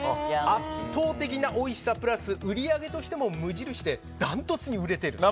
圧倒的なおいしさプラス売り上げとしても無印でダントツに売れている。